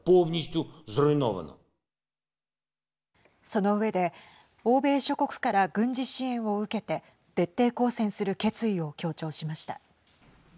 その上で欧米諸国から軍事支援を受けて徹底抗戦する決意を強調しました。